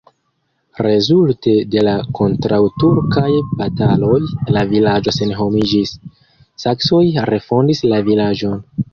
Rezulte de la kontraŭturkaj bataloj la vilaĝo senhomiĝis, saksoj refondis la vilaĝon.